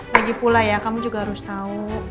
lagi pula ya kamu juga harus tahu